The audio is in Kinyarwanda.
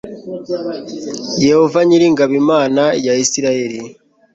Yehova nyir ingabo Imana ya Isirayeli